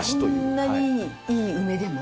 こんなにいい梅でも？